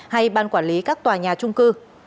hay ban quản lý các tòa nhà trung cư